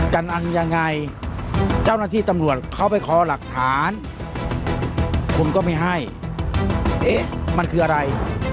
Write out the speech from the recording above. กันอันยังไงเจ้าหน้าที่ตำรวจเขาไปขอหลักฐานคุณก็ไม่ให้เอ๊ะมันคืออะไร